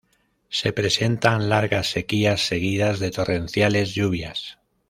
Se presentan largas sequías seguidas de torrenciales lluvias.